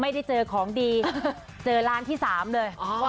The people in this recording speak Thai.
ไม่ได้เจอของดีเจอร้านที่๓เลย